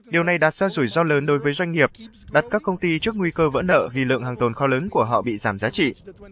điều này đặt ra rủi ro lớn đối với doanh nghiệp đặt các công ty trước nguy cơ vỡ nợ vì lượng hàng tồn kho lớn của họ bị giảm giá trị